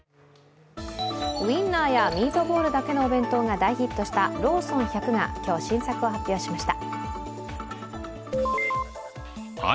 ウインナーやミートボールだけのお弁当が大ヒットしたローソン１００が今日、新作を発表しました。